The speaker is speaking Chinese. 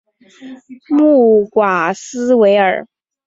穆瓦斯维尔。